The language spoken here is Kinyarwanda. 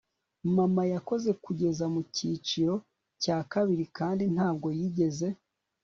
mamá yakoze kugeza mucyiciro cya kabiri kandi ntabwo yigeze